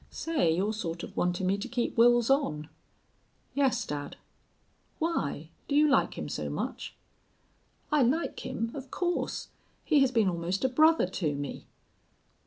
"Say, you're sort of wantin' me to keep Wils on." "Yes, dad." "Why? Do you like him so much?" "I like him of course. He has been almost a brother to me."